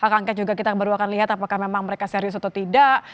kangket juga kita baru akan lihat apakah memang mereka serius atau tidak